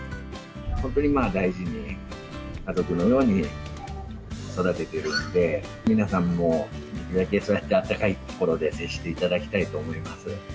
本当に大事に家族のように育ててるんで、皆さんも、できるだけそうやって温かい心で接していただきたいと思います。